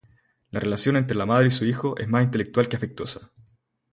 La relación entre la Madre y su Hijo es más intelectual que afectuosa.